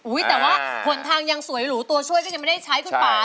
แต่ว่าผลทางยังสวยหรูตัวช่วยก็ยังไม่ได้ใช้คุณป่า